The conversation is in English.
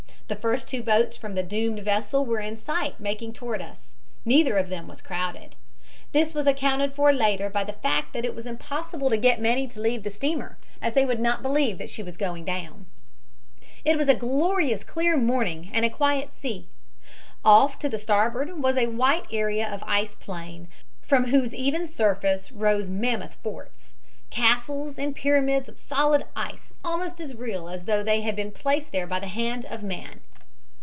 The first two boats from the doomed vessel were in sight making toward us. Neither of them was crowded. This was accounted for later by the fact that it was impossible to get many to leave the steamer, as they would not believe that she was going down. It was a glorious, clear morning and a quiet sea. Off to the starboard was a white area of ice plain, from whose even surface rose mammoth forts, castles and pyramids of solid ice almost as real as though they had been placed there by the hand of man.